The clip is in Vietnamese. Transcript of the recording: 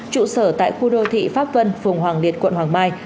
trụ sở tại khu đô thị pháp vân phường hoàng liệt quận hoàng mai